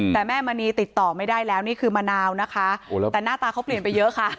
แต่แม่มณีติดต่อไม่ได้แล้วนี่คือมะนาวนะคะแต่หน้าตาเขาเปลี่ยนไปเยอะค่ะ